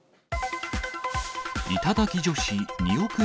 頂き女子２億円